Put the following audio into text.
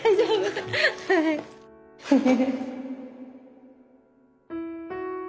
フフフッ。